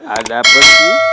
ada apa sih